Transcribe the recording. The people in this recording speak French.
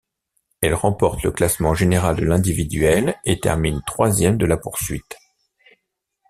Elle remporte le classement général de l'individuel et termine troisième de la poursuite.